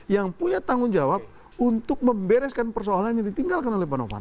yang punya tanggung jawab untuk membereskan persoalan yang ditinggalkan oleh pak novanto